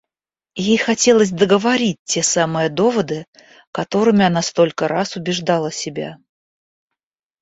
Ей хотелось договорить те самые доводы, которыми она столько раз убеждала себя.